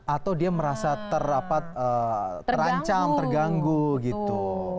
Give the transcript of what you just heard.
atau dia merasa terancam terganggu gitu